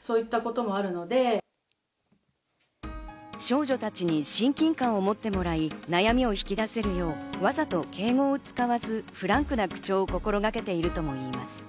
少女たちに親近感を持ってもらい悩みを引き出せるよう、わざと敬語を使わず、フランクな口調を心がけているともいいます。